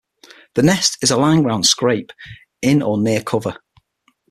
The nest is a linedground scrape in or near cover.